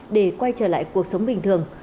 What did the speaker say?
để quay trở lại cuộc sống bình thường